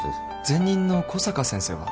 前任の小坂先生は？